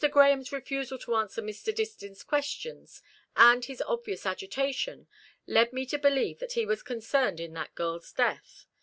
Grahame's refusal to answer Mr. Distin's questions, and his obvious agitation, led me to believe that he was concerned in that girl's death.